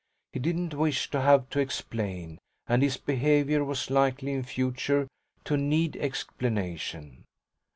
He didn't wish to have to explain; and his behaviour was likely in future to need explanation.